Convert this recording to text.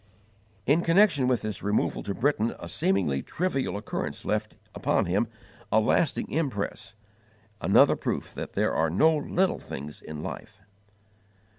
In connection with this removal to Britain a seemingly trivial occurrence left upon him a lasting impress another proof that there are no little things in life.